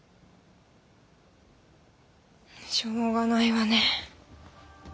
しょうがないわね。